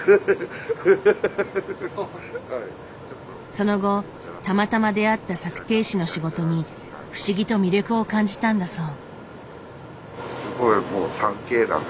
その後たまたま出会った削蹄師の仕事に不思議と魅力を感じたんだそう。